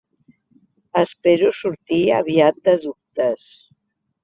Espero sortir aviat de dubtes.